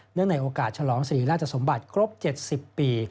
ในโอกาสฉลองศรีราชสมบัติครบ๗๐ปี